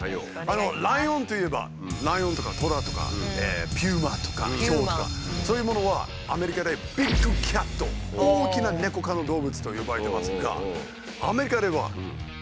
ライオンといえばライオンとかトラとかピューマとかヒョウとかそういうものはアメリカで大きなネコ科の動物と呼ばれてますが。